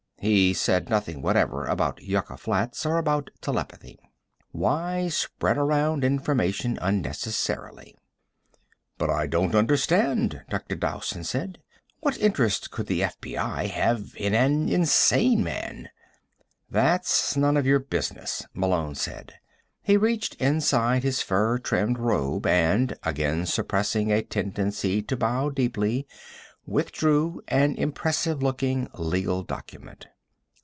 He said nothing whatever about Yucca Flats, or about telepathy. Why spread around information unnecessarily? "But I don't understand," Dr. Dowson said. "What interest could the FBI have in an insane man?" "That's none of your business," Malone said. He reached inside his fur trimmed robe and, again suppressing a tendency to bow deeply, withdrew an impressive looking legal document.